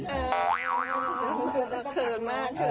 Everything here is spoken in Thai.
เออโอ้โฮเสื่อมากอะ